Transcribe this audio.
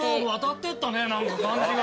何か感じが。